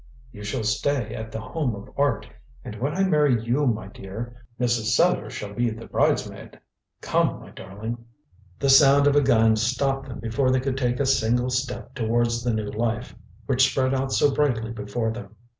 "You shall stay at The Home of Art, and when I marry you, my dear, Mrs. Sellars shall be the bridesmaid. Come, my darling!" The sound of a gun stopped them before they could take a single step towards the new life, which spread out so brightly before them.